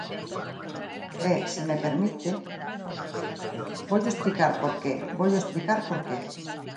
E, se me permite, voulle explicar por que, voulle explicar por que.